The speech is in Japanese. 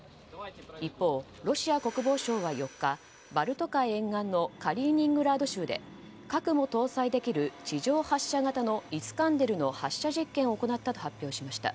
一方、ロシア国防省は４日バルト海沿岸のカリーニングラード州で核も搭載できる地上発射型のイスカンデルの発射実験を行ったと発表しました。